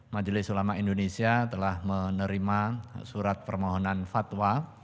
majelis ulama indonesia telah menerima surat permohonan fatwa